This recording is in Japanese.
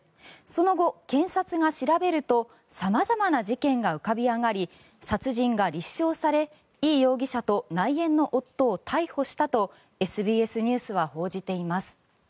その後、検察が調べると様々な事件が浮かび上がり殺人が立証されイ容疑者と内縁の夫を逮捕したとＳＢＳニュースは報じています。